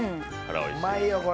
うまいよ、これ。